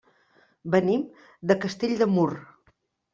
Venim de Castell de Mur.